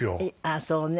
あっそうね。